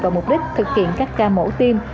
vào mục đích thực hiện các ca mổ tiêm